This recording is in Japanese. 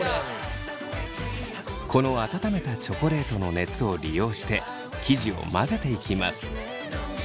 この温めたチョコレートの熱を利用して生地を混ぜていきます。